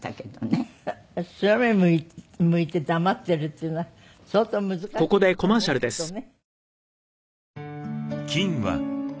白目むいて黙っているっていうのは相当難しいと思うけどね。